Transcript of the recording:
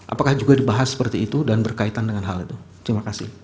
apakah juga dibahas seperti itu dan berkaitan dengan hal itu terima kasih